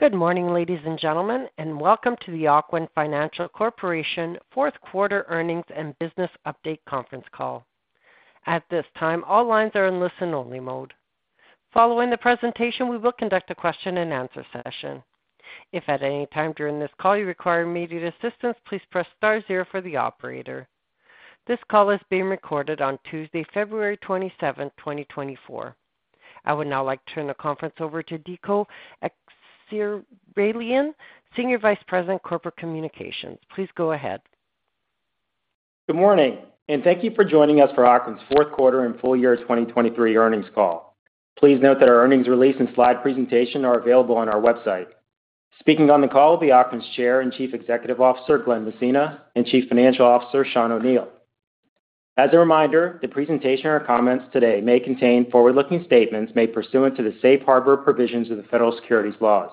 Good morning, ladies and gentlemen, and welcome to the Ocwen Financial Corporation fourth quarter earnings and business update conference call. At this time, all lines are in listen-only mode. Following the presentation, we will conduct a question-and-answer session. If at any time during this call you require immediate assistance, please press star zero for the operator. This call is being recorded on Tuesday, February 27, 2024. I would now like to turn the conference over to Dico Akseraylian, Senior Vice President, Corporate Communications. Please go ahead. Good morning, and thank you for joining us for Ocwen's fourth quarter and full year 2023 earnings call. Please note that our earnings release and slide presentation are available on our website. Speaking on the call will be Ocwen's Chair and Chief Executive Officer, Glen Messina, and Chief Financial Officer, Sean O'Neil. As a reminder, the presentation or comments today may contain forward-looking statements made pursuant to the safe harbor provisions of the Federal Securities laws.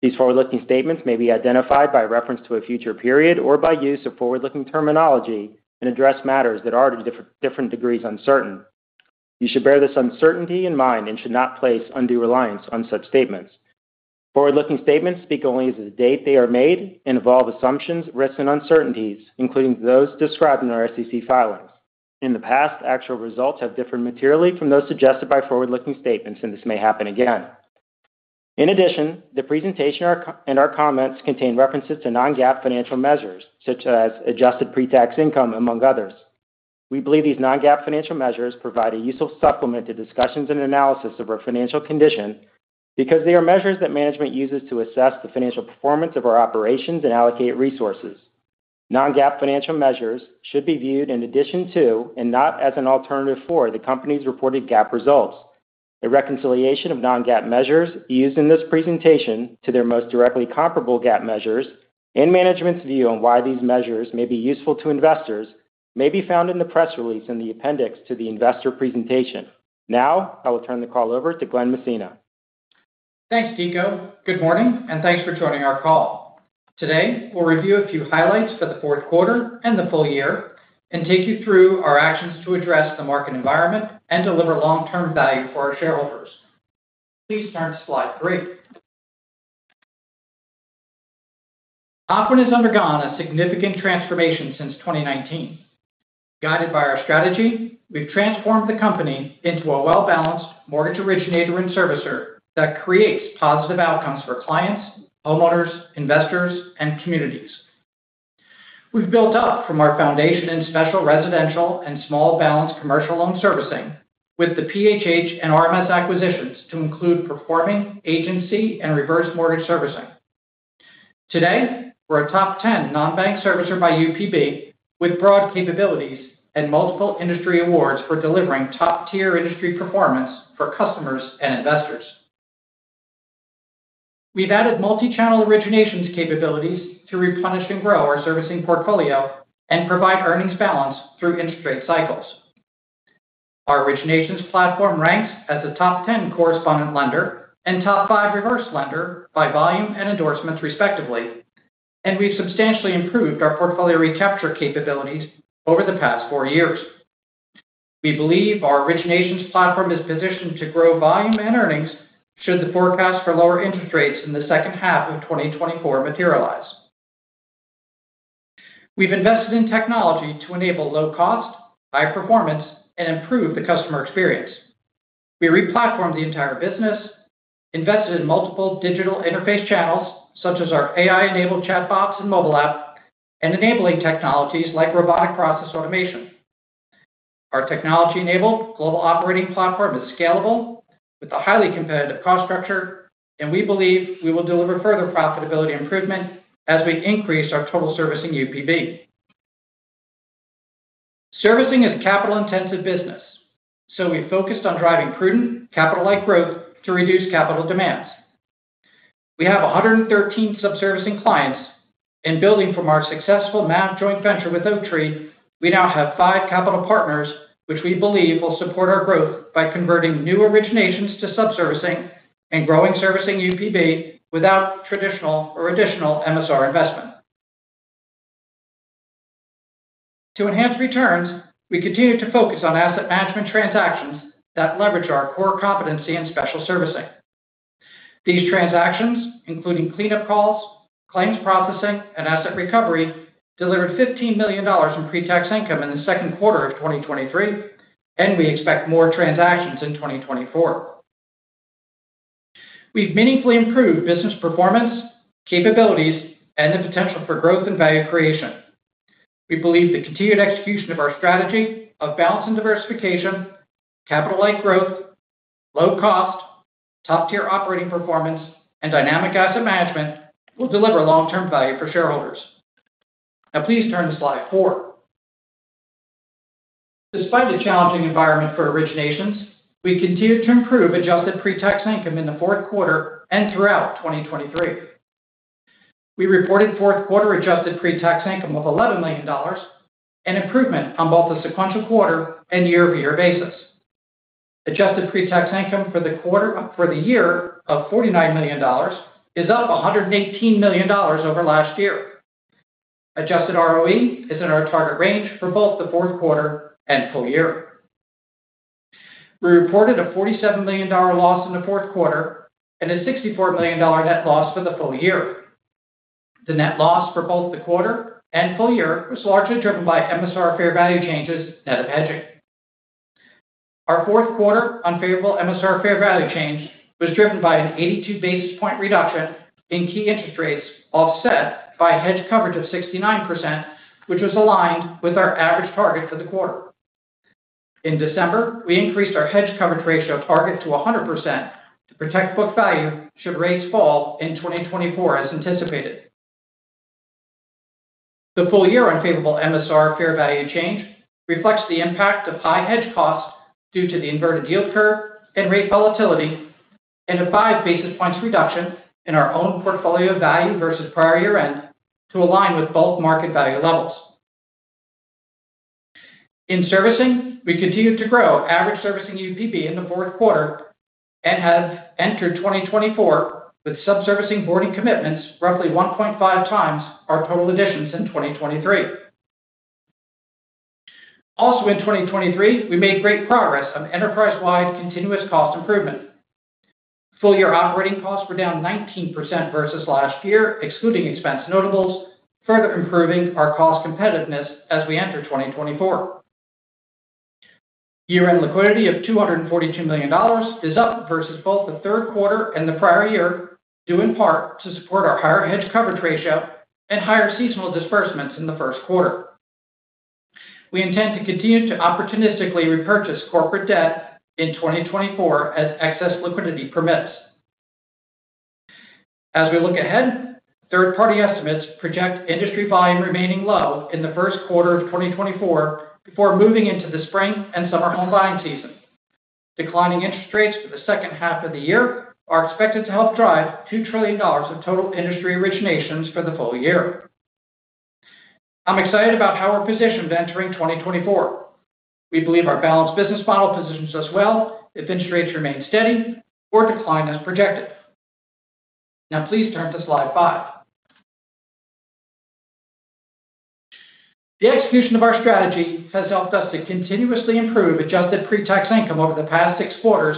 These forward-looking statements may be identified by reference to a future period or by use of forward-looking terminology and address matters that are to different degrees uncertain. You should bear this uncertainty in mind and should not place undue reliance on such statements. Forward-looking statements speak only as of the date they are made and involve assumptions, risks, and uncertainties, including those described in our SEC filings. In the past, actual results have differed materially from those suggested by forward-looking statements, and this may happen again. In addition, the presentation and our comments contain references to non-GAAP financial measures, such as Adjusted Pre-Tax Income, among others. We believe these non-GAAP financial measures provide a useful supplement to discussions and analysis of our financial condition because they are measures that management uses to assess the financial performance of our operations and allocate resources. Non-GAAP financial measures should be viewed in addition to, and not as an alternative for, the company's reported GAAP results. A reconciliation of non-GAAP measures used in this presentation to their most directly comparable GAAP measures and management's view on why these measures may be useful to investors may be found in the press release in the appendix to the investor presentation. Now, I will turn the call over to Glen Messina. Thanks, Dico. Good morning, and thanks for joining our call. Today, we'll review a few highlights for the fourth quarter and the full year and take you through our actions to address the market environment and deliver long-term value for our shareholders. Please turn to slide three. Ocwen has undergone a significant transformation since 2019. Guided by our strategy, we've transformed the company into a well-balanced mortgage originator and servicer that creates positive outcomes for clients, homeowners, investors, and communities. We've built up from our foundation in special residential and small balance commercial loan servicing with the PHH and RMS acquisitions to include performing, agency, and reverse mortgage servicing. Today, we're a top 10 non-bank servicer by UPB, with broad capabilities and multiple industry awards for delivering top-tier industry performance for customers and investors. We've added multi-channel originations capabilities to replenish and grow our servicing portfolio and provide earnings balance through interest rate cycles. Our originations platform ranks as a top 10 correspondent lender and top five reverse lender by volume and endorsements, respectively, and we've substantially improved our portfolio recapture capabilities over the past four years. We believe our originations platform is positioned to grow volume and earnings should the forecast for lower interest rates in the second half of 2024 materialize. We've invested in technology to enable low cost, high performance, and improve the customer experience. We replatformed the entire business, invested in multiple digital interface channels, such as our AI-enabled chatbots and mobile app, and enabling technologies like robotic process automation. Our technology-enabled global operating platform is scalable with a highly competitive cost structure, and we believe we will deliver further profitability improvement as we increase our total servicing UPB. Servicing is a capital-intensive business, so we focused on driving prudent capital-light growth to reduce capital demands. We have 113 subservicing clients, and building from our successful MAV joint venture with Oaktree, we now have five capital partners, which we believe will support our growth by converting new originations to subservicing and growing servicing UPB without traditional or additional MSR investment. To enhance returns, we continue to focus on asset management transactions that leverage our core competency in special servicing. These transactions, including cleanup calls, claims processing, and asset recovery, delivered $15 million in pre-tax income in the second quarter of 2023, and we expect more transactions in 2024. We've meaningfully improved business performance, capabilities, and the potential for growth and value creation. We believe the continued execution of our strategy of balance and diversification, capital-light growth, low cost, top-tier operating performance, and dynamic asset management will deliver long-term value for shareholders. Now, please turn to slide four. Despite the challenging environment for originations, we continued to improve adjusted pre-tax income in the fourth quarter and throughout 2023. We reported fourth quarter adjusted pre-tax income of $11 million, an improvement on both the sequential quarter and year-over-year basis. Adjusted pre-tax income for the quarter-- for the year of $49 million is up $118 million over last year. Adjusted ROE is in our target range for both the fourth quarter and full year. We reported a $47 million dollar loss in the fourth quarter and a $64 million dollar net loss for the full year. The net loss for both the quarter and full year was largely driven by MSR fair value changes net of hedging. Our fourth quarter unfavorable MSR fair value change was driven by an 82 basis point reduction in key interest rates, offset by a hedge coverage of 69%, which was aligned with our average target for the quarter. In December, we increased our hedge coverage ratio target to 100% to protect book value should rates fall in 2024 as anticipated. The full year unfavorable MSR fair value change reflects the impact of high hedge costs due to the inverted yield curve and rate volatility, and a 5 basis points reduction in our own portfolio value versus prior year-end to align with both market value levels. In servicing, we continued to grow average servicing UPB in the fourth quarter and have entered 2024 with subservicing boarding commitments roughly 1.5x our total additions in 2023. Also, in 2023, we made great progress on enterprise-wide continuous cost improvement. Full year operating costs were down 19% versus last year, excluding expense notables, further improving our cost competitiveness as we enter 2024. Year-end liquidity of $242 million is up versus both the third quarter and the prior year, due in part to support our higher hedge coverage ratio and higher seasonal disbursements in the first quarter. We intend to continue to opportunistically repurchase corporate debt in 2024 as excess liquidity permits. As we look ahead, third-party estimates project industry volume remaining low in the first quarter of 2024 before moving into the spring and summer home buying season. Declining interest rates for the second half of the year are expected to help drive $2 trillion of total industry originations for the full year. I'm excited about how we're positioned entering 2024. We believe our balanced business model positions us well if interest rates remain steady or decline as projected. Now, please turn to slide five. The execution of our strategy has helped us to continuously improve Adjusted Pre-Tax Income over the past six quarters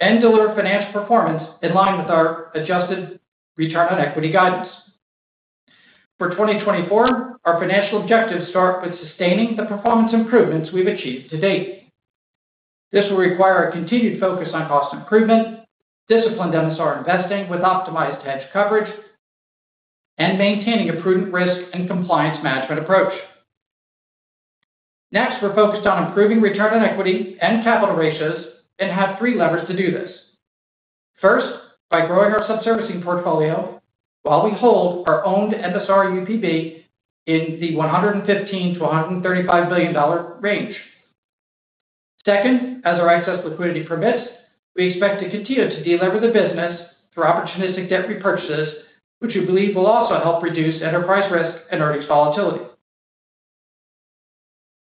and deliver financial performance in line with our Adjusted Return on Equity guidance. For 2024, our financial objectives start with sustaining the performance improvements we've achieved to date. This will require a continued focus on cost improvement, disciplined MSR investing with optimized hedge coverage, and maintaining a prudent risk and compliance management approach. Next, we're focused on improving return on equity and capital ratios and have three levers to do this. First, by growing our subservicing portfolio while we hold our owned MSR UPB in the $115 billion-$135 billion range. Second, as our excess liquidity permits, we expect to continue to delever the business through opportunistic debt repurchases, which we believe will also help reduce enterprise risk and earnings volatility.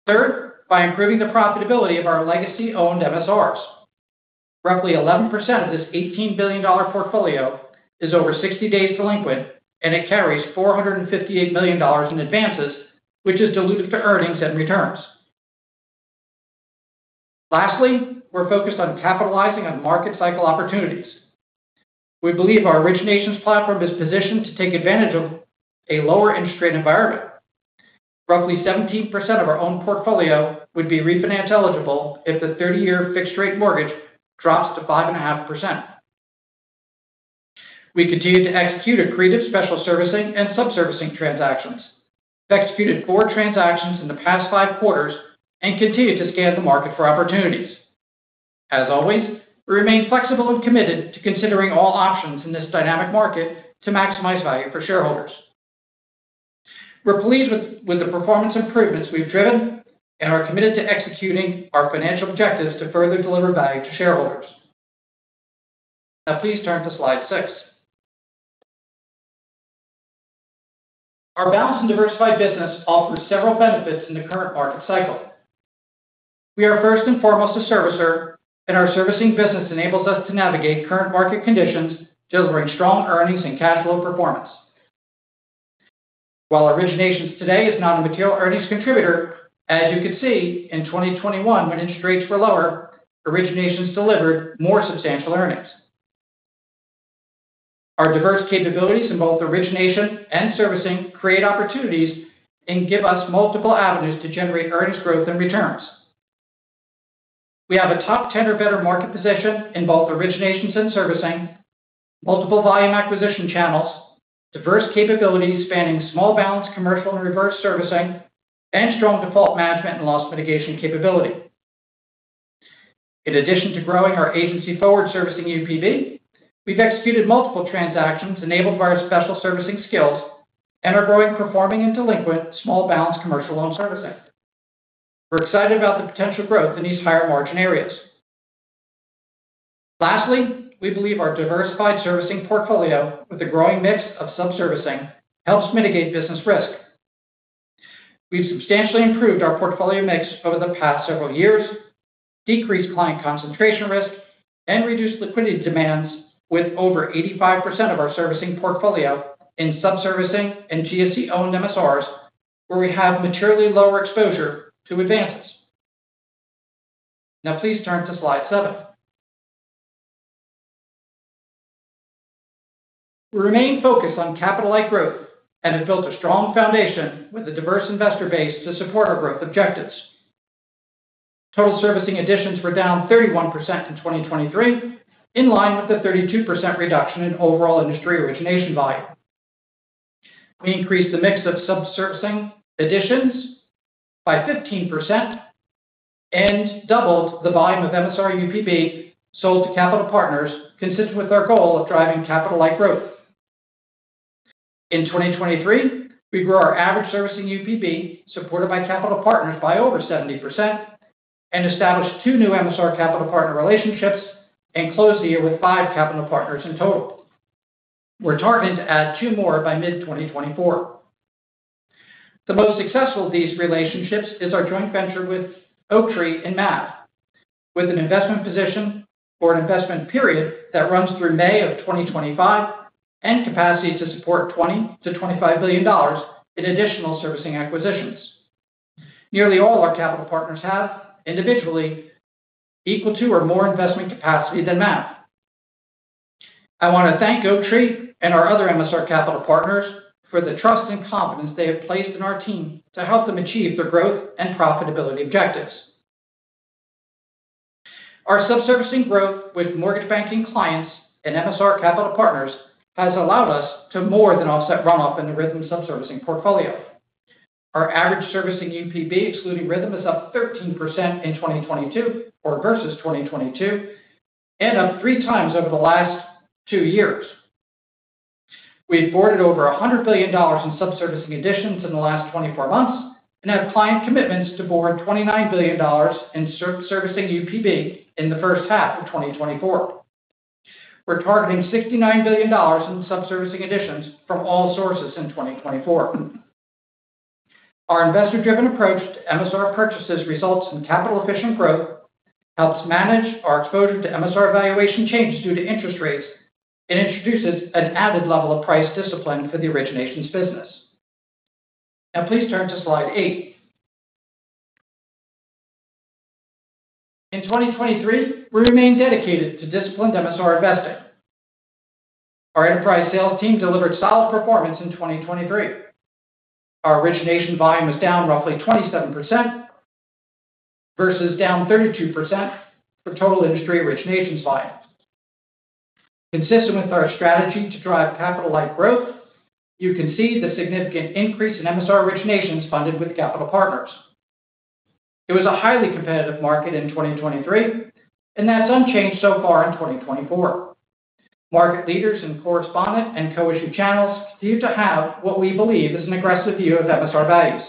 Third, by improving the profitability of our legacy-owned MSRs. Roughly 11% of this $18 billion portfolio is over 60 days delinquent, and it carries $458 million in advances, which is dilutive to earnings and returns. Lastly, we're focused on capitalizing on market cycle opportunities. We believe our originations platform is positioned to take advantage of a lower interest rate environment. Roughly 17% of our own portfolio would be refinance eligible if the 30-year fixed rate mortgage drops to 5.5%. We continue to execute accretive special servicing and subservicing transactions. We've executed four transactions in the past five quarters and continue to scan the market for opportunities. As always, we remain flexible and committed to considering all options in this dynamic market to maximize value for shareholders. We're pleased with the performance improvements we've driven and are committed to executing our financial objectives to further deliver value to shareholders. Now please turn to slide six. Our balanced and diversified business offers several benefits in the current market cycle. We are first and foremost a servicer, and our servicing business enables us to navigate current market conditions, delivering strong earnings and cash flow performance. While originations today is not a material earnings contributor, as you can see, in 2021, when interest rates were lower, originations delivered more substantial earnings. Our diverse capabilities in both origination and servicing create opportunities and give us multiple avenues to generate earnings growth and returns. We have a top 10 or better market position in both originations and servicing, multiple volume acquisition channels, diverse capabilities spanning small balance, commercial, and reverse servicing, and strong default management and loss mitigation capability. In addition to growing our agency forward servicing UPB, we've executed multiple transactions enabled by our special servicing skills and are growing, performing in delinquent small balance commercial loan servicing. We're excited about the potential growth in these higher margin areas. Lastly, we believe our diversified servicing portfolio with a growing mix of subservicing helps mitigate business risk. We've substantially improved our portfolio mix over the past several years, decreased client concentration risk, and reduced liquidity demands with over 85% of our servicing portfolio in subservicing and GSE-owned MSRs, where we have materially lower exposure to advances. Now please turn to slide seven. We remain focused on capital-light growth and have built a strong foundation with a diverse investor base to support our growth objectives. Total servicing additions were down 31% in 2023, in line with the 32% reduction in overall industry origination volume. We increased the mix of subservicing additions by 15% and doubled the volume of MSR UPB sold to capital partners, consistent with our goal of driving capital-light growth. In 2023, we grew our average servicing UPB, supported by capital partners, by over 70% and established two new MSR capital partner relationships and closed the year with five capital partners in total. We're targeted to add two more by mid-2024. The most successful of these relationships is our joint venture with Oaktree and MAV, with an investment position for an investment period that runs through May of 2025 and capacity to support $20 billion-$25 billion in additional servicing acquisitions. Nearly all our capital partners have individually equal to or more investment capacity than MAV. I want to thank Oaktree and our other MSR capital partners for the trust and confidence they have placed in our team to help them achieve their growth and profitability objectives. Our subservicing growth with mortgage banking clients and MSR capital partners has allowed us to more than offset runoff in the Rithm subservicing portfolio. Our average servicing UPB, excluding Rithm, is up 13% in 2022 versus 2022, and up 3x over the last two years. We've boarded over $100 billion in subservicing additions in the last 24 months and have client commitments to board $29 billion in servicing UPB in the first half of 2024. We're targeting $69 billion in subservicing additions from all sources in 2024. Our investor-driven approach to MSR purchases results in capital-efficient growth, helps manage our exposure to MSR valuation changes due to interest rates, and introduces an added level of price discipline for the originations business. Now please turn to slide eight. In 2023, we remained dedicated to disciplined MSR investing. Our enterprise sales team delivered solid performance in 2023. Our origination volume was down roughly 27%, versus down 32% for total industry originations volume. Consistent with our strategy to drive capital-light growth, you can see the significant increase in MSR originations funded with capital partners. It was a highly competitive market in 2023, and that's unchanged so far in 2024. Market leaders in correspondent and co-issue channels continue to have what we believe is an aggressive view of MSR values.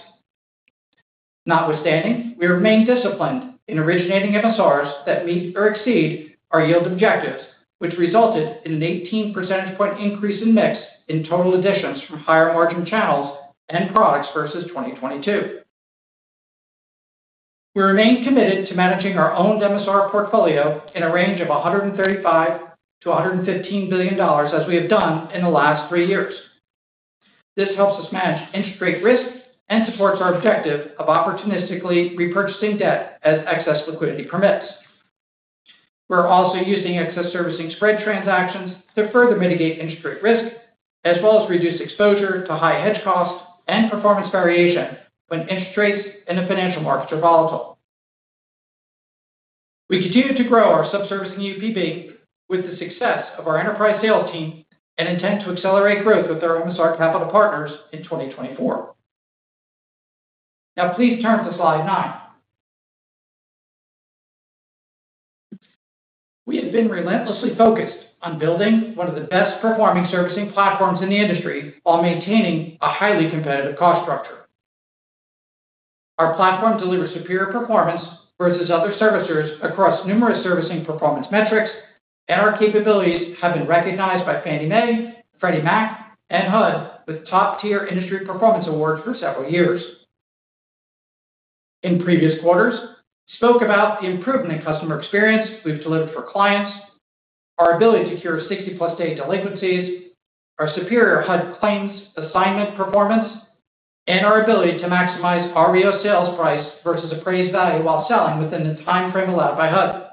Notwithstanding, we remain disciplined in originating MSRs that meet or exceed our yield objectives, which resulted in an 18 percentage point increase in mix in total additions from higher-margin channels and products versus 2022. We remain committed to managing our own MSR portfolio in a range of $135 billion-$115 billion as we have done in the last three years. This helps us manage interest rate risk and supports our objective of opportunistically repurchasing debt as excess liquidity permits. We're also using excess servicing spread transactions to further mitigate interest rate risk, as well as reduce exposure to high hedge costs and performance variation when interest rates in the financial markets are volatile. We continue to grow our subservicing UPB with the success of our enterprise sales team and intend to accelerate growth with our MSR capital partners in 2024. Now please turn to slide nine. We have been relentlessly focused on building one of the best-performing servicing platforms in the industry while maintaining a highly competitive cost structure. Our platform delivers superior performance versus other servicers across numerous servicing performance metrics, and our capabilities have been recognized by Fannie Mae, Freddie Mac, and HUD with top-tier industry performance awards for several years. In previous quarters, spoke about the improvement in customer experience we've delivered for clients, our ability to cure 60+ day delinquencies, our superior HUD claims assignment performance, and our ability to maximize our REO sales price versus appraised value while selling within the time frame allowed by HUD.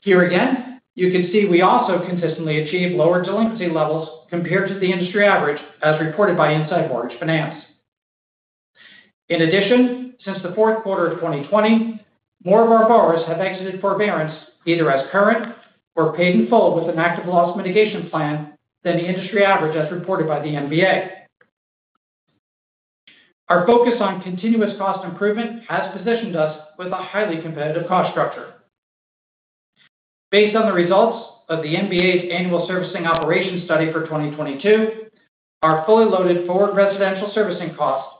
Here again, you can see we also consistently achieve lower delinquency levels compared to the industry average, as reported by Inside Mortgage Finance. In addition, since the fourth quarter of 2020, more of our borrowers have exited forbearance either as current or paid in full with an active loss mitigation plan than the industry average, as reported by the MBA. Our focus on continuous cost improvement has positioned us with a highly competitive cost structure. Based on the results of the MBA's annual servicing operations study for 2022, our fully loaded forward residential servicing costs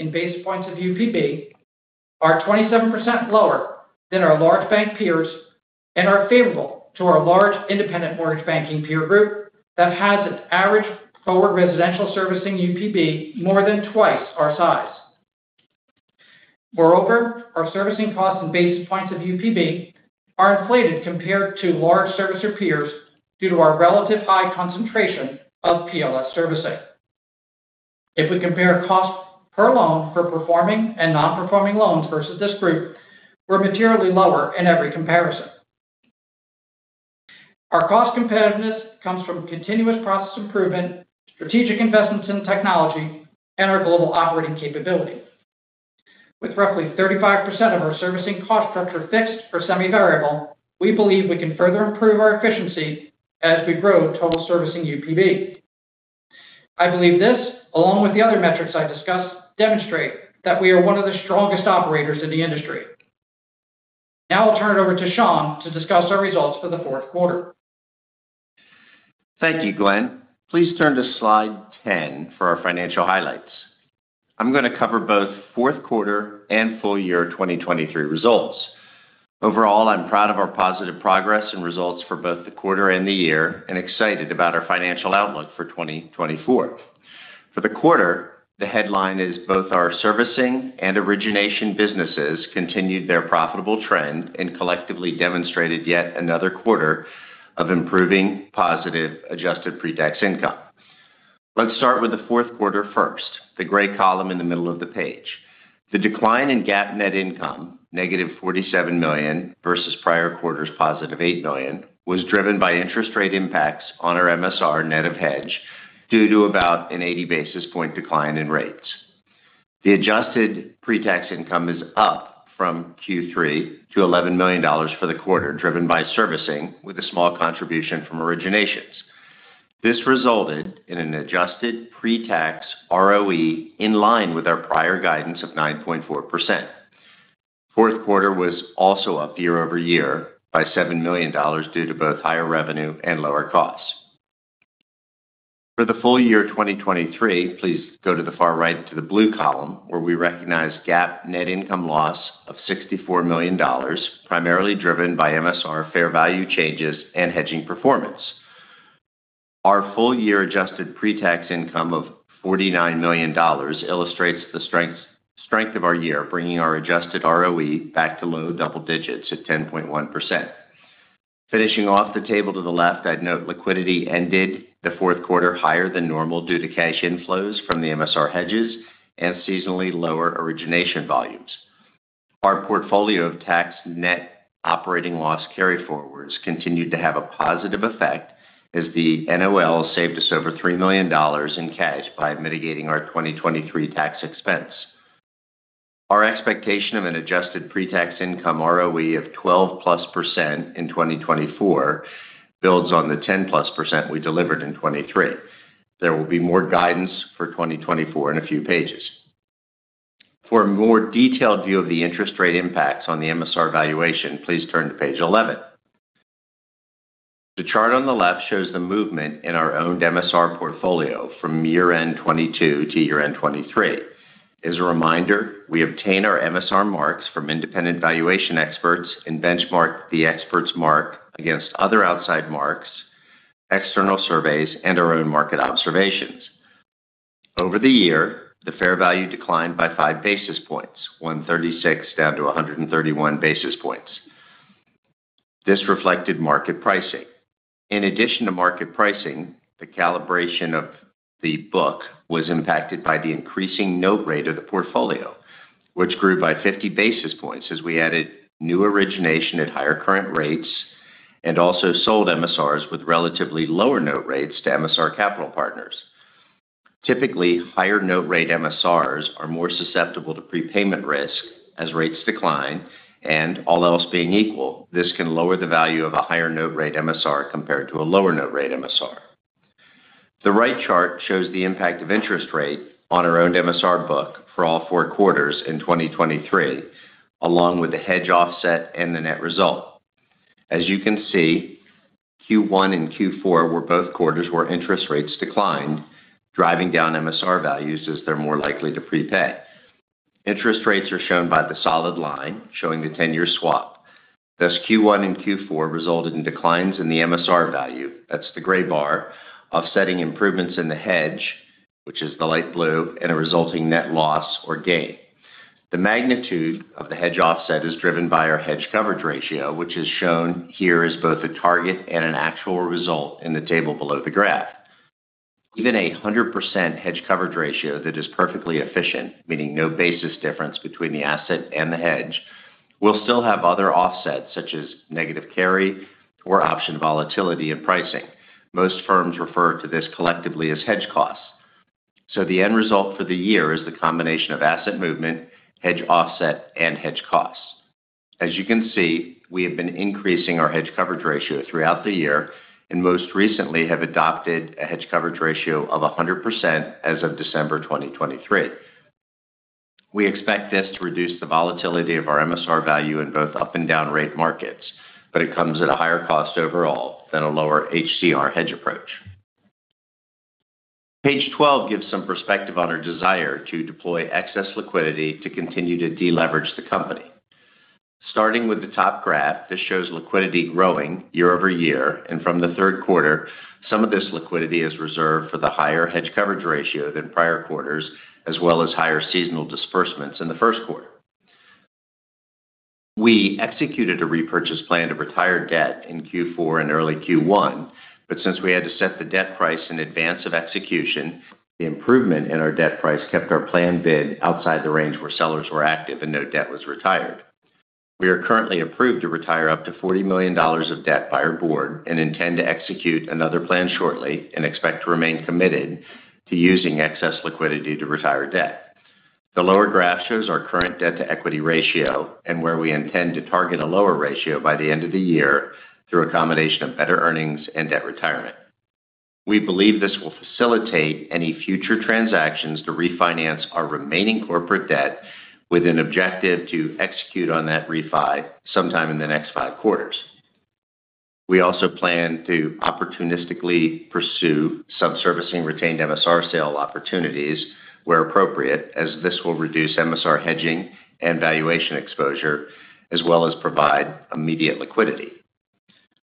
in basis points of UPB are 27% lower than our large bank peers and are favorable to our large independent mortgage banking peer group that has an average forward residential servicing UPB more than twice our size. Moreover, our servicing costs in basis points of UPB are inflated compared to large servicer peers due to our relatively high concentration of PLS servicing. If we compare cost per loan for performing and non-performing loans versus this group, we're materially lower in every comparison. Our cost competitiveness comes from continuous process improvement, strategic investments in technology, and our global operating capability. With roughly 35% of our servicing cost structure fixed for semi-variable, we believe we can further improve our efficiency as we grow total servicing UPB. I believe this, along with the other metrics I discussed, demonstrate that we are one of the strongest operators in the industry. Now I'll turn it over to Sean to discuss our results for the fourth quarter. Thank you, Glen. Please turn to slide 10 for our financial highlights. I'm gonna cover both fourth quarter and full year 2023 results. Overall, I'm proud of our positive progress and results for both the quarter and the year, and excited about our financial outlook for 2024. For the quarter, the headline is both our servicing and origination businesses continued their profitable trend and collectively demonstrated yet another quarter of improving positive adjusted pre-tax income. Let's start with the fourth quarter first, the gray column in the middle of the page. The decline in GAAP net income, -$47 million versus prior quarter's +$8 million, was driven by interest rate impacts on our MSR net of hedge, due to about an 80 basis point decline in rates. The adjusted pre-tax income is up from Q3 to $11 million for the quarter, driven by servicing, with a small contribution from originations. This resulted in an adjusted pre-tax ROE in line with our prior guidance of 9.4%. Fourth quarter was also up year-over-year by $7 million, due to both higher revenue and lower costs. For the full year 2023, please go to the far right to the blue column, where we recognize GAAP net income loss of $64 million, primarily driven by MSR fair value changes and hedging performance. Our full year adjusted pre-tax income of $49 million illustrates the strength of our year, bringing our adjusted ROE back to low double digits at 10.1%. Finishing off the table to the left, I'd note liquidity ended the fourth quarter higher than normal due to cash inflows from the MSR hedges and seasonally lower origination volumes. Our portfolio of tax net operating loss carryforwards continued to have a positive effect, as the NOL saved us over $3 million in cash by mitigating our 2023 tax expense. Our expectation of an Adjusted Pre-Tax Income ROE of 12%+ in 2024 builds on the 10%+ we delivered in 2023. There will be more guidance for 2024 in a few pages. For a more detailed view of the interest rate impacts on the MSR valuation, please turn to page 11. The chart on the left shows the movement in our owned MSR portfolio from year-end 2022 to year-end 2023. As a reminder, we obtain our MSR marks from independent valuation experts and benchmark the experts' mark against other outside marks, external surveys, and our own market observations. Over the year, the fair value declined by 5 basis points, 136 down to 131 basis points. This reflected market pricing. In addition to market pricing, the calibration of the book was impacted by the increasing note rate of the portfolio, which grew by 50 basis points as we added new origination at higher current rates, and also sold MSRs with relatively lower note rates to MSR capital partners. Typically, higher note rate MSRs are more susceptible to prepayment risk as rates decline, and all else being equal, this can lower the value of a higher note rate MSR compared to a lower note rate MSR. The right chart shows the impact of interest rate on our owned MSR book for all four quarters in 2023, along with the hedge offset and the net result. As you can see, Q1 and Q4 were both quarters where interest rates declined, driving down MSR values as they're more likely to prepay. Interest rates are shown by the solid line, showing the 10-year swap. Thus, Q1 and Q4 resulted in declines in the MSR value, that's the gray bar, offsetting improvements in the hedge, which is the light blue, and a resulting net loss or gain. The magnitude of the hedge offset is driven by our hedge coverage ratio, which is shown here as both a target and an actual result in the table below the graph. Even a 100% hedge coverage ratio that is perfectly efficient, meaning no basis difference between the asset and the hedge, will still have other offsets, such as negative carry or option volatility in pricing. Most firms refer to this collectively as hedge costs. So the end result for the year is the combination of asset movement, hedge offset, and hedge costs. As you can see, we have been increasing our hedge coverage ratio throughout the year, and most recently have adopted a hedge coverage ratio of 100% as of December 2023. We expect this to reduce the volatility of our MSR value in both up and down rate markets, but it comes at a higher cost overall than a lower HCR hedge approach. Page 12 gives some perspective on our desire to deploy excess liquidity to continue to deleverage the company. Starting with the top graph, this shows liquidity growing year-over-year, and from the third quarter, some of this liquidity is reserved for the higher hedge coverage ratio than prior quarters, as well as higher seasonal disbursements in the first quarter. We executed a repurchase plan to retire debt in Q4 and early Q1, but since we had to set the debt price in advance of execution, the improvement in our debt price kept our plan bid outside the range where sellers were active and no debt was retired. We are currently approved to retire up to $40 million of debt by our board and intend to execute another plan shortly and expect to remain committed to using excess liquidity to retire debt. The lower graph shows our current debt-to-equity ratio and where we intend to target a lower ratio by the end of the year through a combination of better earnings and debt retirement. We believe this will facilitate any future transactions to refinance our remaining corporate debt with an objective to execute on that refi sometime in the next five quarters. We also plan to opportunistically pursue subservicing retained MSR sale opportunities where appropriate, as this will reduce MSR hedging and valuation exposure, as well as provide immediate liquidity.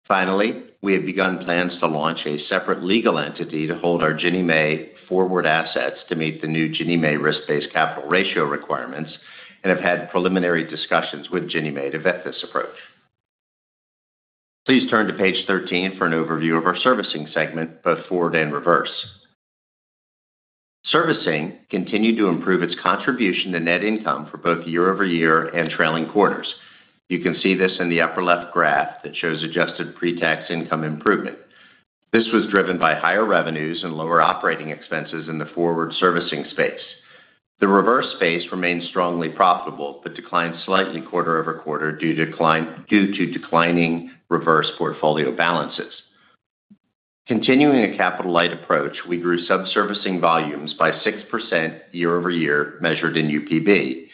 Finally, we have begun plans to launch a separate legal entity to hold our Ginnie Mae forward assets to meet the new Ginnie Mae risk-based capital ratio requirements and have had preliminary discussions with Ginnie Mae to vet this approach. Please turn to page 13 for an overview of our servicing segment, both forward and reverse. Servicing continued to improve its contribution to net income for both year-over-year and trailing quarters. You can see this in the upper left graph that shows adjusted pre-tax income improvement. This was driven by higher revenues and lower operating expenses in the forward servicing space. The reverse space remains strongly profitable, but declined slightly quarter-over-quarter due to declining reverse portfolio balances. Continuing a capital-light approach, we grew subservicing volumes by 6% year-over-year, measured in UPB,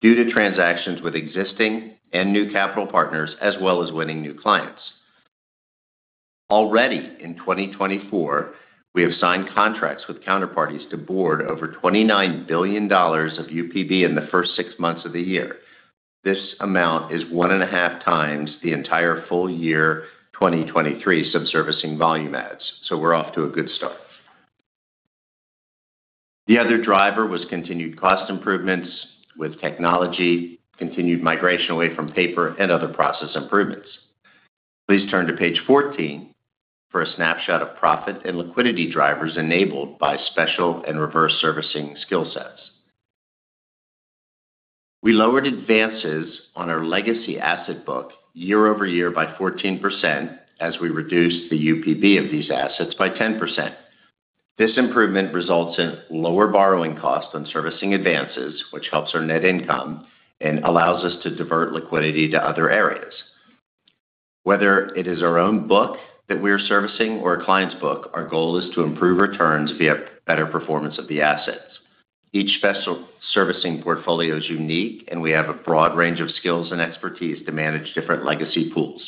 due to transactions with existing and new capital partners, as well as winning new clients. Already in 2024, we have signed contracts with counterparties to board over $29 billion of UPB in the first six months of the year. This amount is 1.5x the entire full year, 2023 subservicing volume adds. So we're off to a good start. The other driver was continued cost improvements with technology, continued migration away from paper, and other process improvements. Please turn to page 14 for a snapshot of profit and liquidity drivers enabled by special and reverse servicing skill sets. We lowered advances on our legacy asset book year-over-year by 14% as we reduced the UPB of these assets by 10%. This improvement results in lower borrowing costs on servicing advances, which helps our net income and allows us to divert liquidity to other areas. Whether it is our own book that we are servicing or a client's book, our goal is to improve returns via better performance of the assets. Each special servicing portfolio is unique, and we have a broad range of skills and expertise to manage different legacy pools.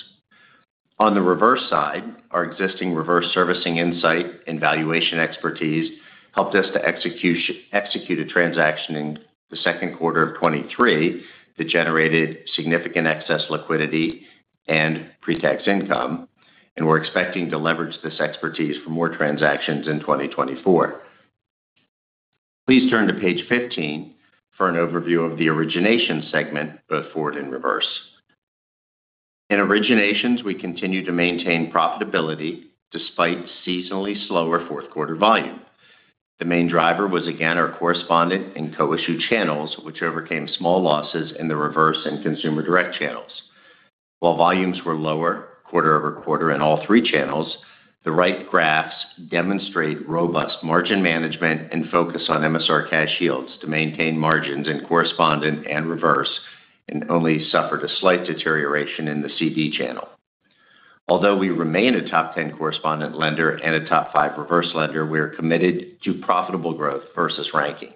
On the reverse side, our existing reverse servicing insight and valuation expertise helped us to execute a transaction in the second quarter of 2023 that generated significant excess liquidity and pre-tax income, and we're expecting to leverage this expertise for more transactions in 2024. Please turn to page 15 for an overview of the origination segment, both forward and reverse. In originations, we continue to maintain profitability despite seasonally slower fourth quarter volume. The main driver was, again, our correspondent and co-issue channels, which overcame small losses in the reverse and consumer direct channels. While volumes were lower quarter-over-quarter in all three channels, the right graphs demonstrate robust margin management and focus on MSR cash yields to maintain margins in correspondent and reverse, and only suffered a slight deterioration in the CD channel. Although we remain a top 10 correspondent lender and a top five reverse lender, we are committed to profitable growth versus rankings.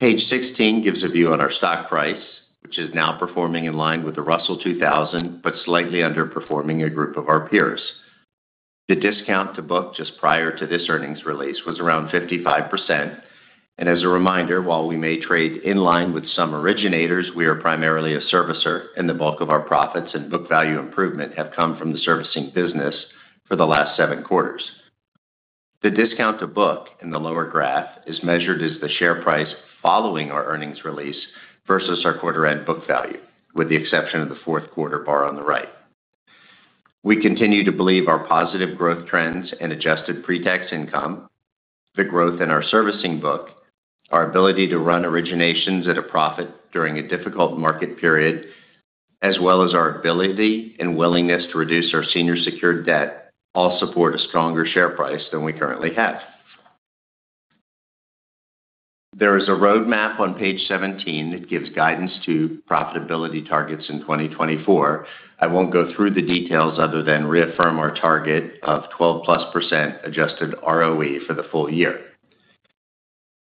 Page 16 gives a view on our stock price, which is now performing in line with the Russell 2000, but slightly underperforming a group of our peers. The discount to book just prior to this earnings release was around 55%, and as a reminder, while we may trade in line with some originators, we are primarily a servicer, and the bulk of our profits and book value improvement have come from the servicing business for the last seven quarters. The discount to book in the lower graph is measured as the share price following our earnings release versus our quarter-end book value, with the exception of the fourth quarter bar on the right. We continue to believe our positive growth trends and Adjusted Pre-Tax Income, the growth in our servicing book, our ability to run originations at a profit during a difficult market period, as well as our ability and willingness to reduce our senior secured debt, all support a stronger share price than we currently have. There is a roadmap on page 17 that gives guidance to profitability targets in 2024. I won't go through the details other than reaffirm our target of 12%+ adjusted ROE for the full year.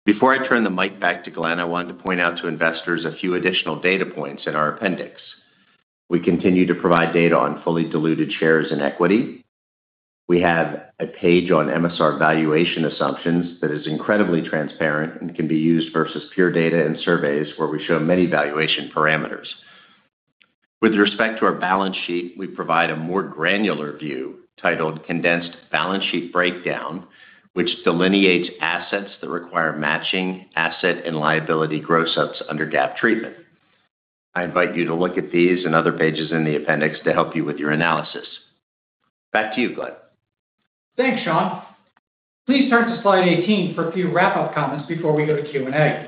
Before I turn the mic back to Glen, I wanted to point out to investors a few additional data points in our appendix. We continue to provide data on fully diluted shares in equity. We have a page on MSR valuation assumptions that is incredibly transparent and can be used versus pure data and surveys where we show many valuation parameters. With respect to our balance sheet, we provide a more granular view titled Condensed Balance Sheet Breakdown, which delineates assets that require matching asset and liability gross ups under GAAP treatment. I invite you to look at these and other pages in the appendix to help you with your analysis. Back to you, Glen. Thanks, Sean. Please turn to slide 18 for a few wrap-up comments before we go to Q&A.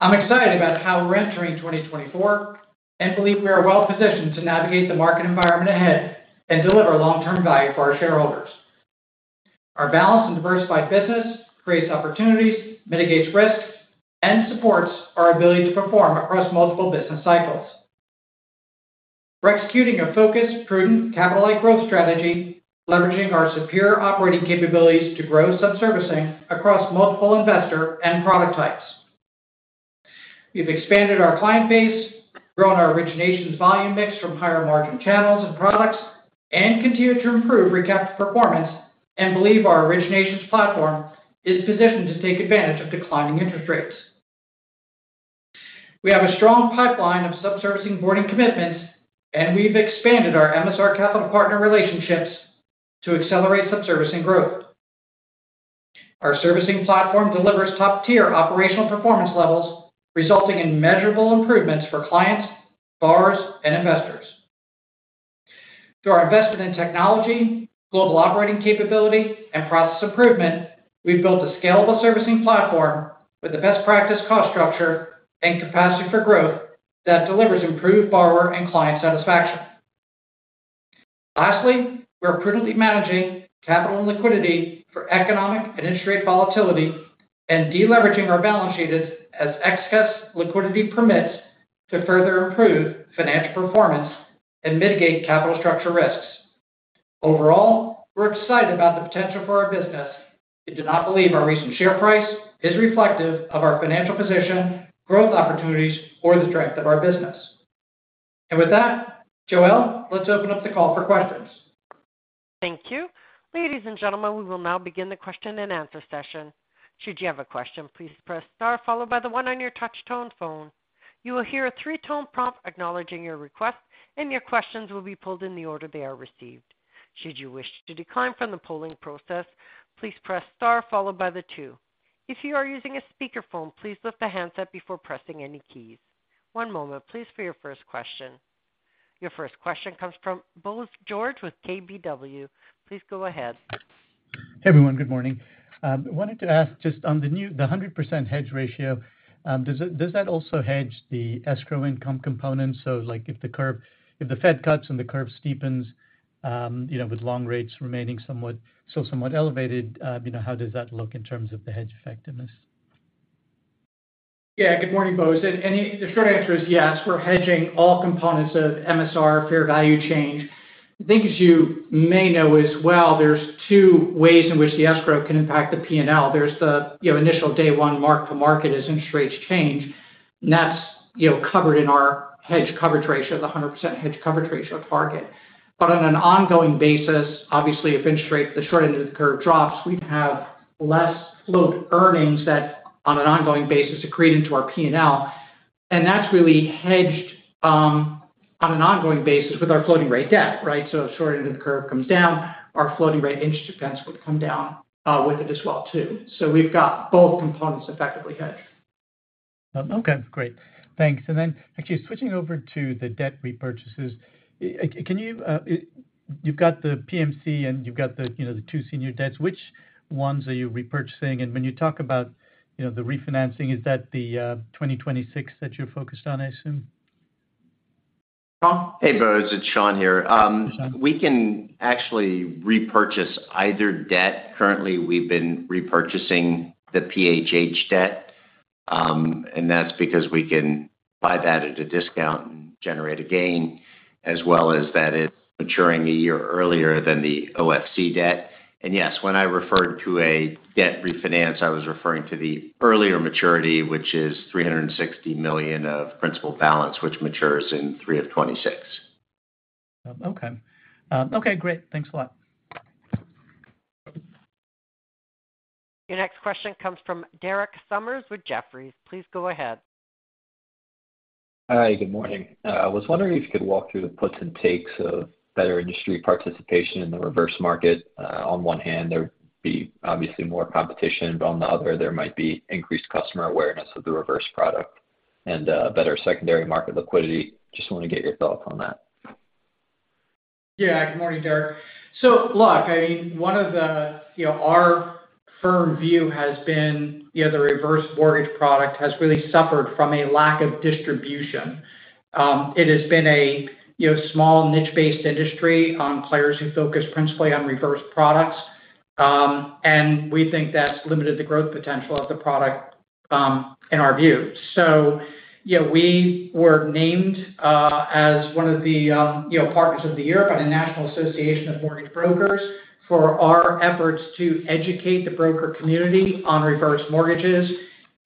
I'm excited about how we're entering 2024 and believe we are well positioned to navigate the market environment ahead and deliver long-term value for our shareholders. Our balanced and diversified business creates opportunities, mitigates risk, and supports our ability to perform across multiple business cycles. We're executing a focused, prudent capital light growth strategy, leveraging our superior operating capabilities to grow subservicing across multiple investor and product types. We've expanded our client base, grown our originations volume mix from higher margin channels and products, and continued to improve recap performance, and believe our originations platform is positioned to take advantage of declining interest rates. We have a strong pipeline of subservicing boarding commitments, and we've expanded our MSR capital partner relationships to accelerate subservicing growth. Our servicing platform delivers top-tier operational performance levels, resulting in measurable improvements for clients, borrowers, and investors. Through our investment in technology, global operating capability, and process improvement, we've built a scalable servicing platform with the best practice, cost structure, and capacity for growth that delivers improved borrower and client satisfaction. Lastly, we're prudently managing capital and liquidity for economic and interest rate volatility and deleveraging our balance sheet as excess liquidity permits to further improve financial performance and mitigate capital structure risks. Overall, we're excited about the potential for our business and do not believe our recent share price is reflective of our financial position, growth opportunities, or the strength of our business. With that, Joelle, let's open up the call for questions. Thank you. Ladies and gentlemen, we will now begin the question-and-answer session. Should you have a question, please press star followed by the one on your touch-tone phone. You will hear a three-tone prompt acknowledging your request, and your questions will be pulled in the order they are received. Should you wish to decline from the polling process, please press star followed by the two. If you are using a speakerphone, please lift the handset before pressing any keys. One moment, please, for your first question. Your first question comes from Bose George with KBW. Please go ahead. Hey, everyone. Good morning. Wanted to ask just on the new 100% hedge ratio, does that also hedge the escrow income component? So like, if the curve if the Fed cuts and the curve steepens, you know, with long rates remaining somewhat still somewhat elevated, you know, how does that look in terms of the hedge effectiveness? Yeah. Good morning, Bose. The short answer is yes, we're hedging all components of MSR fair value change. I think, as you may know as well, there's two ways in which the escrow can impact the P&L. There's the, you know, initial day one mark to market as interest rates change, and that's, you know, covered in our hedge coverage ratio, the 100% hedge coverage ratio target. But on an ongoing basis, obviously, if interest rates, the short end of the curve drops, we'd have less float earnings that on an ongoing basis, accrete into our P&L, and that's really hedged on an ongoing basis with our floating rate debt, right? So if short end of the curve comes down, our floating rate interest expense would come down with it as well, too. So we've got both components effectively hedged. Okay, great. Thanks. And then actually switching over to the debt repurchases, can you, you've got the PMC and you've got the, you know, the two senior debts. Which ones are you repurchasing? And when you talk about, you know, the refinancing, is that the 2026 that you're focused on, I assume? Hey, Bose, it's Sean here. We can actually repurchase either debt. Currently, we've been repurchasing the PHH debt, and that's because we can buy that at a discount and generate a gain, as well as that it's maturing a year earlier than the OFC debt. Yes, when I referred to a debt refinance, I was referring to the earlier maturity, which is $360 million of principal balance, which matures in 03/2026. Okay. Okay, great. Thanks a lot. Your next question comes from Derek Sommers with Jefferies. Please go ahead. Hi, good morning. I was wondering if you could walk through the puts and takes of better industry participation in the reverse market. On one hand, there'd be obviously more competition, but on the other, there might be increased customer awareness of the reverse product and, better secondary market liquidity. Just want to get your thoughts on that. Yeah. Good morning, Derek. So look, I mean, one of the -- you know, our firm view has been, you know, the reverse mortgage product has really suffered from a lack of distribution. It has been a, you know, small niche-based industry on players who focus principally on reverse products, and we think that's limited the growth potential of the product, in our view. So yeah, we were named, as one of the, you know, partners of the year by the National Association of Mortgage Brokers for our efforts to educate the broker community on reverse mortgages,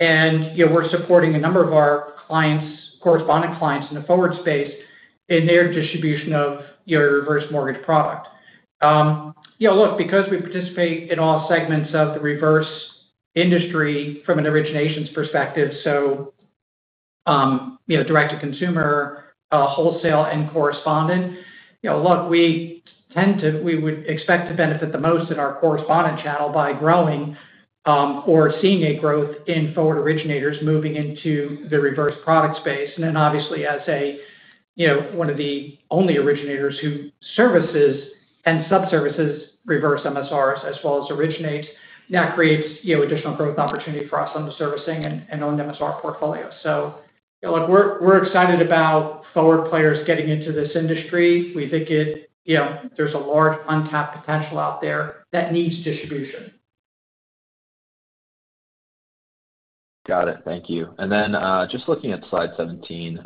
and, you know, we're supporting a number of our clients, correspondent clients in the forward space in their distribution of your reverse mortgage product. You know, look, because we participate in all segments of the reverse industry from an originations perspective, so, you know, direct to consumer, wholesale, and correspondent. You know, look, we tend to, we would expect to benefit the most in our correspondent channel by growing, or seeing a growth in forward originators moving into the reverse product space. And then obviously as a, you know, one of the only originators who services and subservices reverse MSRs as well as originates, that creates, you know, additional growth opportunity for us on the servicing and owned MSR portfolio. So, you know, look, we're excited about forward players getting into this industry. We think it, you know, there's a large untapped potential out there that needs distribution. Got it. Thank you. And then, just looking at slide 17,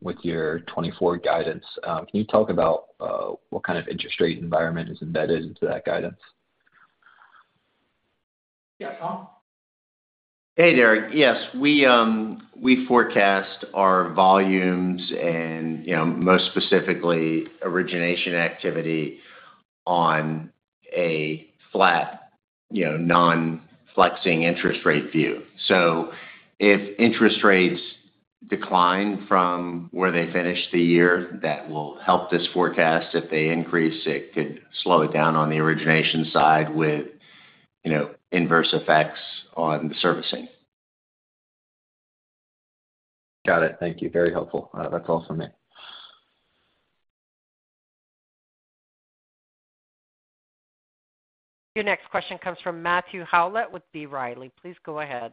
with your 2024 guidance, can you talk about what kind of interest rate environment is embedded into that guidance? Yeah, Sean? Hey, Derek. Yes, we forecast our volumes and, you know, most specifically, origination activity on a flat, you know, non-flexing interest rate view. So if interest rates decline from where they finished the year, that will help this forecast. If they increase, it could slow it down on the origination side with, you know, inverse effects on the servicing. Got it. Thank you. Very helpful. That's all for me. Your next question comes from Matthew Howlett with B. Riley. Please go ahead.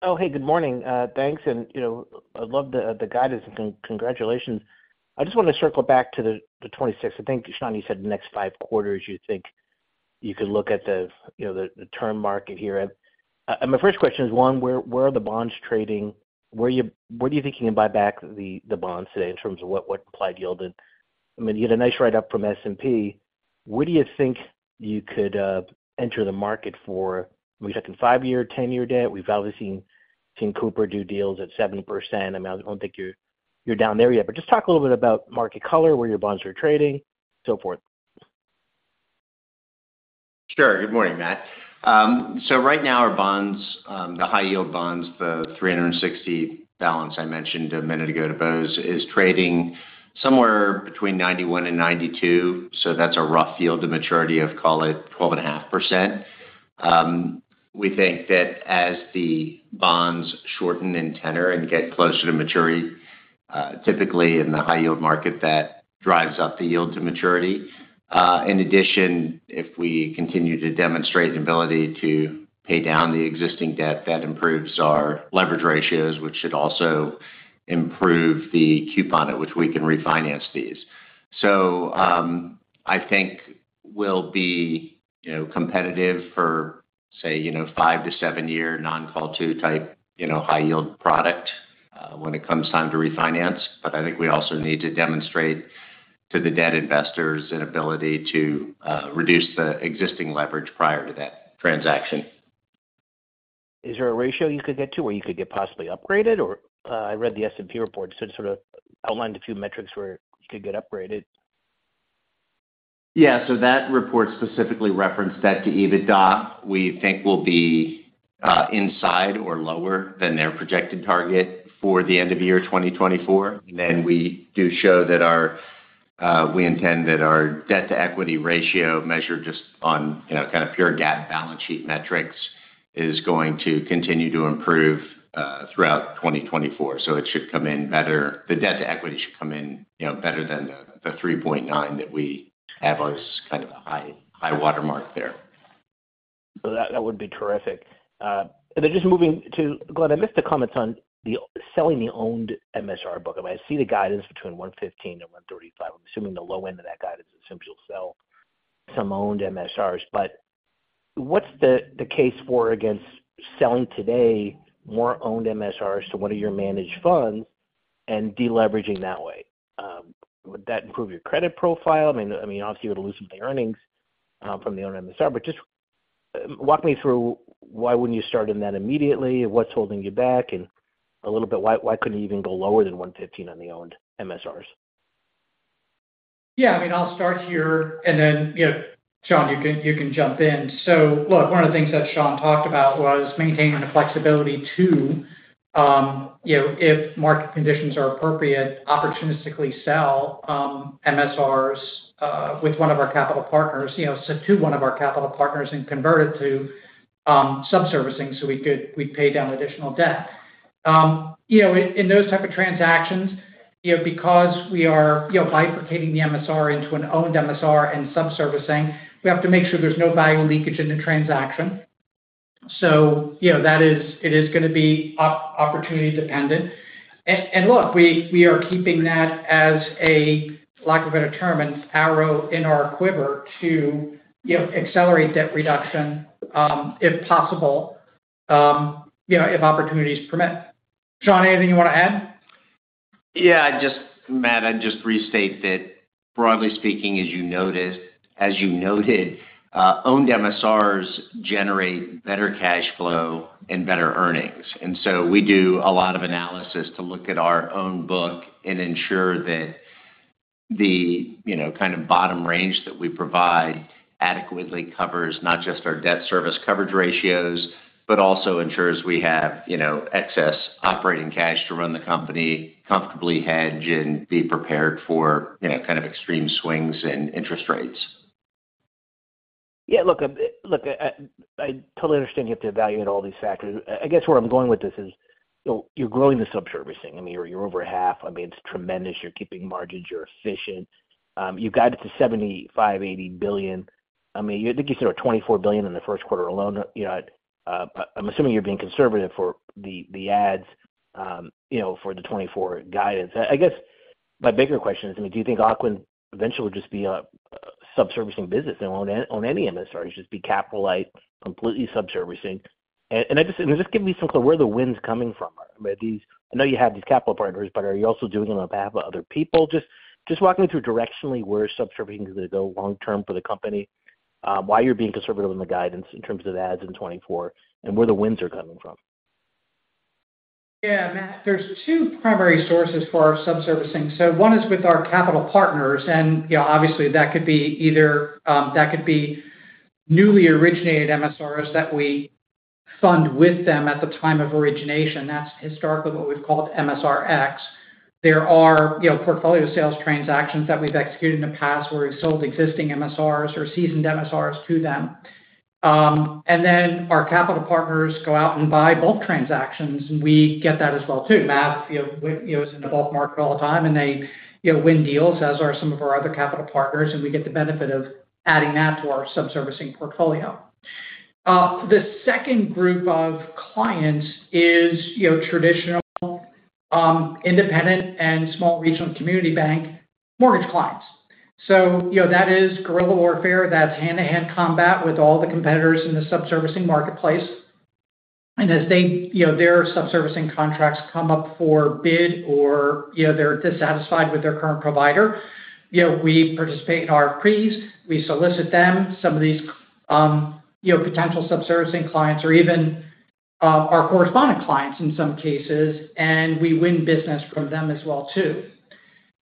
Oh, hey, good morning. Thanks, and, you know, I love the guidance, and congratulations. I just wanna circle back to the 2026. I think, Sean, you said the next five quarters, you think you could look at the, you know, the term market here. And my first question is, one, where are the bonds trading? Where do you think you can buy back the bonds today in terms of what implied yield? And, I mean, you had a nice write-up from S&P. Where do you think you could enter the market for, we talked to five-year, 10-year debt. We've obviously seen Cooper do deals at 7%. I mean, I don't think you're down there yet, but just talk a little bit about market color, where your bonds are trading, so forth. Sure. Good morning, Matt. So right now, our bonds, the high-yield bonds, the $360 million balance I mentioned a minute ago to Bose, is trading somewhere between 91 and 92, so that's a rough yield to maturity of, call it, 12.5%. We think that as the bonds shorten in tenor and get closer to maturity, typically in the high-yield market, that drives up the yield to maturity. In addition, if we continue to demonstrate an ability to pay down the existing debt, that improves our leverage ratios, which should also improve the coupon at which we can refinance these. So, I think we'll be, you know, competitive for, say, you know, five-seven-year non-call two type, you know, high-yield product, when it comes time to refinance. But I think we also need to demonstrate to the debt investors an ability to reduce the existing leverage prior to that transaction. Is there a ratio you could get to, where you could get possibly upgraded or? I read the S&P report, so it sort of outlined a few metrics where you could get upgraded. Yeah, so that report specifically referenced debt to EBITDA. We think we'll be, inside or lower than their projected target for the end of year 2024. And then we do show that our, we intend that our debt-to-equity ratio measured just on, you know, kind of pure GAAP balance sheet metrics, is going to continue to improve, throughout 2024. So it should come in better—the debt-to-equity should come in, you know, better than the, the 3.9 that we have as kind of a high, high-water mark there. That would be terrific. And then just moving to Glen, I missed the comments on selling the owned MSR book. I see the guidance between $115 billion and $135 billion. I'm assuming the low end of that guidance assumes you'll sell some owned MSRs. But what's the case for against selling today more owned MSRs to one of your managed funds and deleveraging that way? Would that improve your credit profile? I mean, obviously, you would lose some of the earnings from the owned MSR, but just walk me through why wouldn't you start in that immediately? What's holding you back? And a little bit, why couldn't you even go lower than $115 billion on the owned MSRs? Yeah, I mean, I'll start here, and then, you know, Sean, you can jump in. So look, one of the things that Sean talked about was maintaining the flexibility to, you know, if market conditions are appropriate, opportunistically sell MSRs with one of our capital partners, you know, sell to one of our capital partners and convert it to subservicing so we could. We'd pay down additional debt. You know, in those type of transactions, you know, because we are, you know, bifurcating the MSR into an owned MSR and subservicing, we have to make sure there's no value leakage in the transaction. So, you know, that is. It is gonna be opportunity dependent. Look, we are keeping that as a lack of a better term, an arrow in our quiver to, you know, accelerate debt reduction, if possible, you know, if opportunities permit. Sean, anything you wanna add? Yeah, I just, Matt, I'd just restate that broadly speaking, as you noticed—as you noted, owned MSRs generate better cash flow and better earnings. And so we do a lot of analysis to look at our own book and ensure that the, you know, kind of bottom range that we provide adequately covers not just our debt service coverage ratios, but also ensures we have, you know, excess operating cash to run the company, comfortably hedge, and be prepared for, you know, kind of extreme swings in interest rates. Yeah, look, look, I totally understand you have to evaluate all these factors. I guess where I'm going with this is, you know, you're growing the subservicing. I mean, you're over half. I mean, it's tremendous. You're keeping margins, you're efficient. You've got it to $75 billion-$80 billion. I mean, I think you said $24 billion in the first quarter alone, you know, but I'm assuming you're being conservative for the ads, you know, for the 2024 guidance. I guess my bigger question is, I mean, do you think Ocwen eventually will just be a subservicing business and own any MSRs, just be capital light, completely subservicing? And just give me some clear where the wind's coming from. I mean, these... I know you have these capital partners, but are you also doing them on behalf of other people? Just, just walk me through directionally, where subservicing is going to go long term for the company, why you're being conservative in the guidance in terms of the adds in 2024, and where the wins are coming from. Yeah, Matt, there's two primary sources for our subservicing. So one is with our capital partners, and, you know, obviously, that could be either, that could be newly originated MSRs that we fund with them at the time of origination. That's historically what we've called MSRX. There are, you know, portfolio sales transactions that we've executed in the past, where we've sold existing MSRs or seasoned MSRs to them. And then our capital partners go out and buy bulk transactions, and we get that as well, too. Matt, you know, is in the bulk market all the time, and they, you know, win deals, as are some of our other capital partners, and we get the benefit of adding that to our subservicing portfolio. The second group of clients is, you know, traditional, independent and small regional community bank mortgage clients. So, you know, that is guerrilla warfare. That's hand-to-hand combat with all the competitors in the subservicing marketplace. As they, you know, their subservicing contracts come up for bid or, you know, they're dissatisfied with their current provider, you know, we participate in RFPs. We solicit them. Some of these, you know, potential subservicing clients, or even our correspondent clients in some cases, and we win business from them as well, too.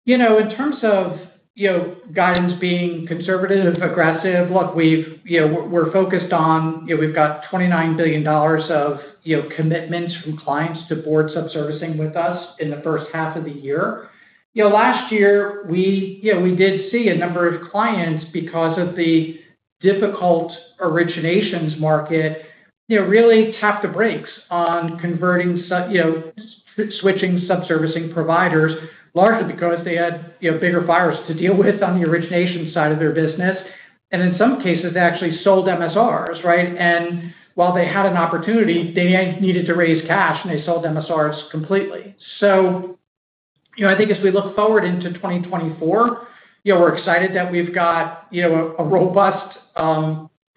You know, in terms of, you know, guidance being conservative, aggressive, look, we've, you know, we're, we're focused on, you know, we've got $29 billion of, you know, commitments from clients to board subservicing with us in the first half of the year. You know, last year, we, you know, we did see a number of clients because of the difficult originations market, you know, really tap the brakes on converting, you know, switching subservicing providers, largely because they had, you know, bigger fires to deal with on the origination side of their business. And in some cases, they actually sold MSRs, right? And while they had an opportunity, they needed to raise cash, and they sold MSRs completely. So, you know, I think as we look forward into 2024, you know, we're excited that we've got, you know, a robust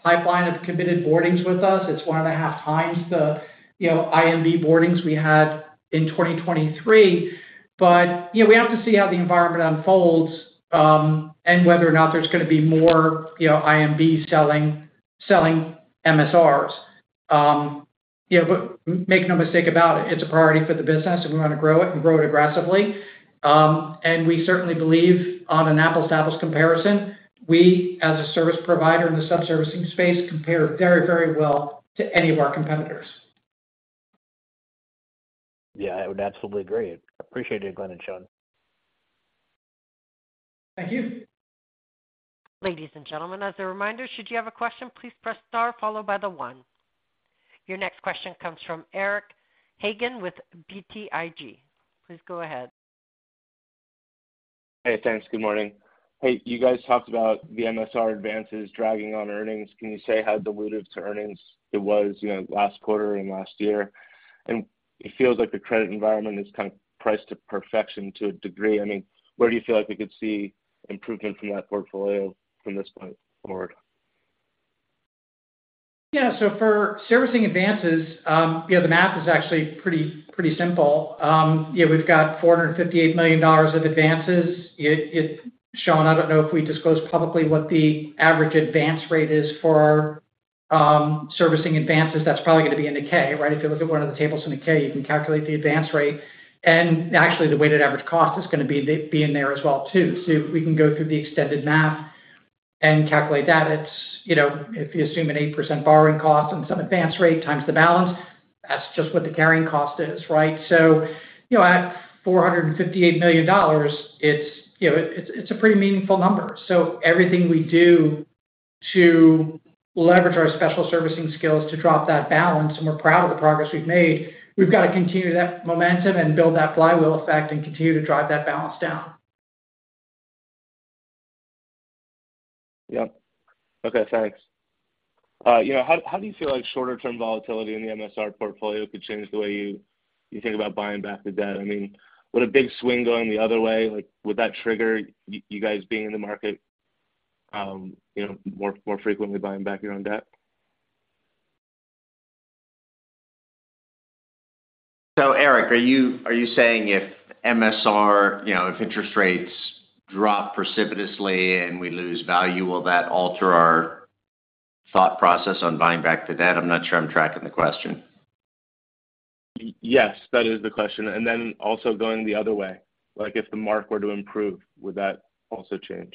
pipeline of committed boardings with us. It's 1.5x the, you know, IMB boardings we had in 2023. But, you know, we have to see how the environment unfolds, and whether or not there's going to be more, you know, IMBs selling MSRs. You know, but make no mistake about it, it's a priority for the business, and we want to grow it and grow it aggressively. And we certainly believe on an apples-to-apples comparison, we, as a service provider in the subservicing space, compare very, very well to any of our competitors. Yeah, I would absolutely agree. Appreciate it, Glen and Sean. Thank you. Ladies and gentlemen, as a reminder, should you have a question, please press star followed by the one. Your next question comes from Eric Hagen with BTIG. Please go ahead. Hey, thanks. Good morning. Hey, you guys talked about the MSR advances dragging on earnings. Can you say how dilutive to earnings it was, you know, last quarter and last year? And it feels like the credit environment is kind of priced to perfection to a degree. I mean, where do you feel like we could see improvement from that portfolio from this point forward? Yeah. So for servicing advances, you know, the math is actually pretty simple. You know, we've got $458 million of advances. It, Sean, I don't know if we disclosed publicly what the average advance rate is for servicing advances. That's probably going to be in the K, right? If you look at one of the tables in the K, you can calculate the advance rate. And actually, the weighted average cost is going to be in there as well, too. So we can go through the extended math and calculate that. It's, you know, if you assume an 8% borrowing cost on some advance rate times the balance, that's just what the carrying cost is, right? So, you know, at $458 million, it's, you know, it's a pretty meaningful number. Everything we do to leverage our special servicing skills to drop that balance, and we're proud of the progress we've made, we've got to continue that momentum and build that flywheel effect and continue to drive that balance down. Yep. Okay, thanks. You know, how do you feel like shorter-term volatility in the MSR portfolio could change the way you think about buying back the debt? I mean, would a big swing going the other way, like, would that trigger you guys being in the market, you know, more frequently buying back your own debt? So, Eric, are you saying if MSR, you know, if interest rates drop precipitously and we lose value, will that alter our thought process on buying back the debt? I'm not sure I'm tracking the question. Yes, that is the question. And then also going the other way, like, if the mark were to improve, would that also change?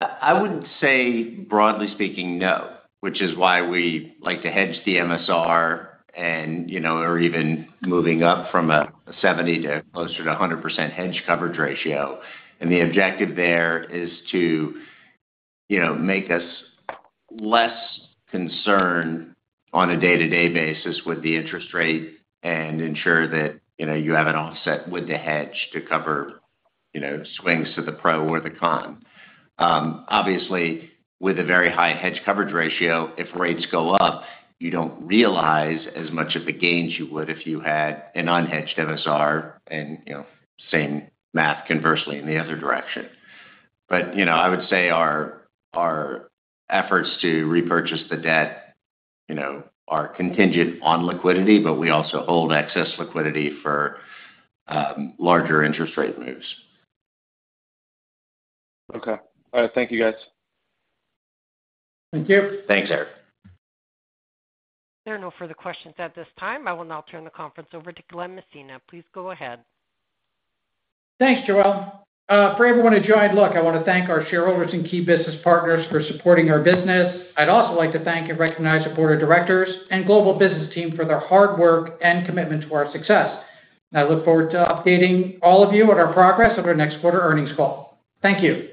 I would say, broadly speaking, no, which is why we like to hedge the MSR and, you know, or even moving up from a 70% to closer to a 100% hedge coverage ratio. And the objective there is to, you know, make us less concerned on a day-to-day basis with the interest rate and ensure that, you know, you have an offset with the hedge to cover, you know, swings to the pro or the con. Obviously, with a very high hedge coverage ratio, if rates go up, you don't realize as much of the gains you would if you had an unhedged MSR and, you know, same math conversely in the other direction. But, you know, I would say our, our efforts to repurchase the debt, you know, are contingent on liquidity, but we also hold excess liquidity for, larger interest rate moves. Okay. All right. Thank you, guys. Thank you. Thanks, Eric. There are no further questions at this time. I will now turn the conference over to Glen Messina. Please go ahead. Thanks, Joelle. For everyone who joined, look, I wanna thank our shareholders and key business partners for supporting our business. I'd also like to thank and recognize our board of directors and global business team for their hard work and commitment to our success. I look forward to updating all of you on our progress at our next quarter earnings call. Thank you.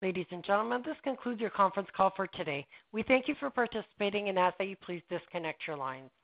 Ladies and gentlemen, this concludes your conference call for today. We thank you for participating and ask that you please disconnect your lines.